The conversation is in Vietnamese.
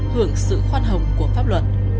hưởng sự khoan hồng của pháp luật